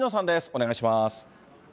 お願いします。